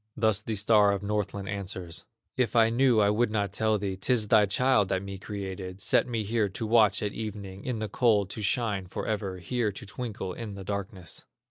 Thus the star of Northland answers: "If I knew, I would not tell thee; 'Tis thy child that me created, Set me here to watch at evening, In the cold to shine forever, Here to twinkle in the darkness."